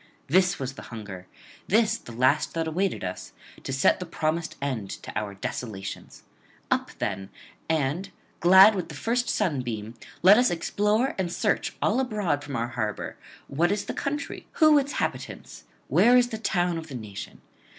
This was [128 162]the hunger, this the last that awaited us, to set the promised end to our desolations ... Up then, and, glad with the first sunbeam, let us explore and search all abroad from our harbour, what is the country, who its habitants, where is the town of the nation.